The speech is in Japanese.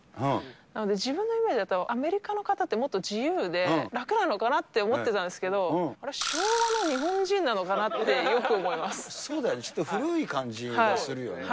なので、自分のイメージだと、アメリカの方って、もっと自由で楽なのかなって思ってたんですけど、あれ、昭和の日本人なのかなって、そうだよね、ちょっと古い感じがするよね。